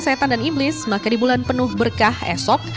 setan dan iblis maka di bulan penuh berkah esok